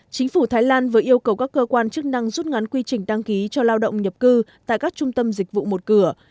chính phủ thái lan vừa yêu cầu các cơ quan chức năng rút ngắn quy trình đăng ký cho lao động nhập cư tại các trung tâm dịch vụ một cửa